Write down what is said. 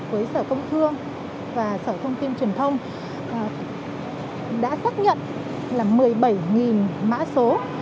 với sở công thương và sở thông tin truyền thông đã xác nhận là một mươi bảy mã số